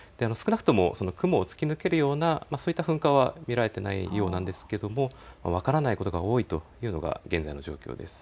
少なくとも雲を突き抜けるようなそういった噴火は見られていないようなんですけれども分からないことが多いというのが現在の状況です。